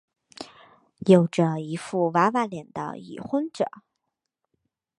有着一副娃娃脸的已婚者。